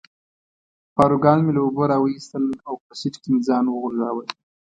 پاروګان مې له اوبو را وویستل او په سیټ کې مې ځان وغورځاوه.